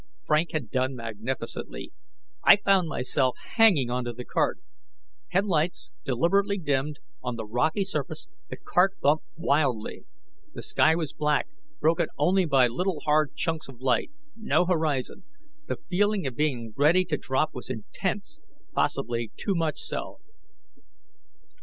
Frank had done magnificently. I found myself hanging onto the cart. Headlights deliberately dimmed, on the rocky surface, the cart bumped wildly. The sky was black, broken only by little, hard chunks of light. No horizon. The feeling of being ready to drop was intense, possibly too much so.